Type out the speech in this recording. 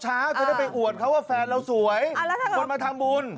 จะได้ไปอวดเขาว่าแฟนเราสวยคนมาทำบุญ